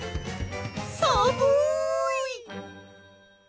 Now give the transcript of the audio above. さむい。